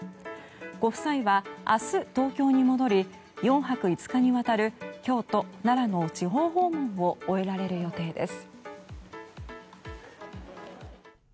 ご夫妻は明日、東京に戻り４泊５日にわたる京都、奈良の地方訪問を終えられる予定です。